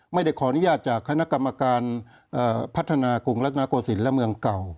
ไม่ได้ขออนุญาตจากคณะกรรมการพัฒนากรุงรัฐนาโกศิลป์และเมืองเก่า